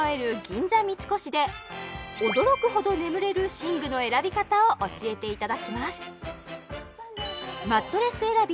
銀座三越で驚くほど眠れる寝具の選び方を教えていただきます